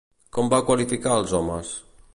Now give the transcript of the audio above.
Com va qualificar als homes?